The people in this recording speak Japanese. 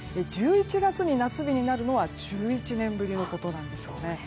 １１月に夏日になるのは１１年ぶりのことなんですよね。